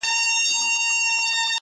هغه مړ سو اوس يې ښخ كړلو.